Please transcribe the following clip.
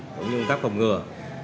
cũng như công tác phòng ngừa